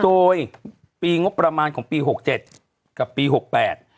โดยปีงบประมาณของปีหกเจ็ดกับปีหกแปด